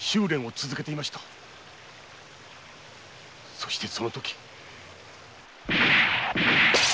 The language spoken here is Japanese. そしてその時。